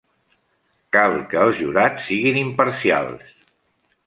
Cal que els jurats siguin imparcials.